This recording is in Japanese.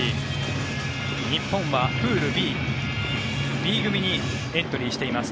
日本はプールＢＢ組にエントリーしています。